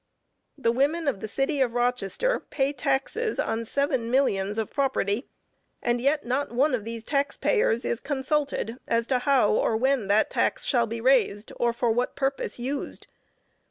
The women of the city of Rochester pay taxes on seven millions of property, and yet not one of these tax payers is consulted as to how, or when that tax shall be raised, or for what purpose used.